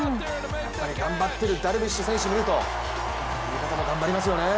頑張ってるダルビッシュ選手を見ると味方も頑張りますよね。